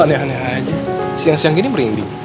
aneh aneh aja siang siang gini merinding